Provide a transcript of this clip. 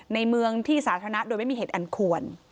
ในเมืองที่สาธารณะโดยไม่มีเหตุอันควร